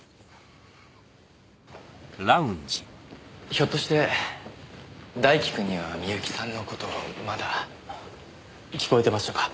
ひょっとして大輝くんには深雪さんの事まだ。聞こえてましたか。